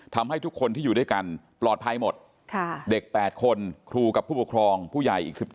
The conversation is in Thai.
ทำให้ทุกคนที่อยู่ด้วยกันปลอดภัยหมดเด็ก๘คนครูกับผู้ปกครองผู้ใหญ่อีก๑๗